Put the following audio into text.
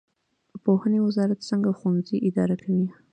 پوهنې وزارت څنګه ښوونځي اداره کوي؟